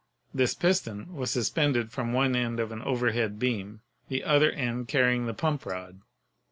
This piston was suspended from one end of an overhead beam, the other end carrying the pump rod.